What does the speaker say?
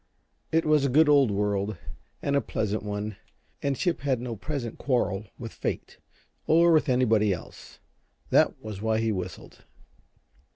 It was a good old world and a pleasant, and Chip had no present quarrel with fate or with anybody else. That was why he whistled.